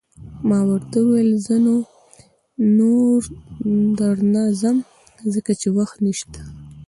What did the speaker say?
ما ورته وویل: زه نو، نور در نه ځم، ځکه چې وخت نشته.